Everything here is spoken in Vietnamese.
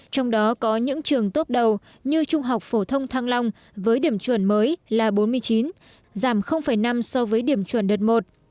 trong đó có những trường tốt đầu như trung học phổ thông thăng long với điểm chuẩn mới là bốn mươi chín giảm năm so với điểm chuẩn đợt một